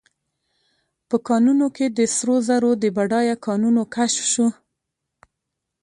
په کانونو کې د سرو زرو د بډایه کانونو کشف شو.